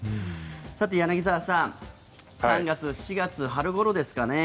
さて、柳澤さん３月、４月、春ごろですかね。